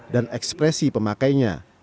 dan ekspresi pemakainya